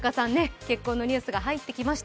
結婚のニュースが入ってきました。